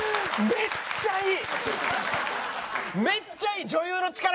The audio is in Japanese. めっちゃいい！